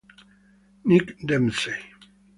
Nick Dempsey